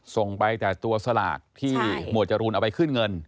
ส่งไปแต่ตัวสลากที่หมวดจรูนเอาไปขึ้นเงิน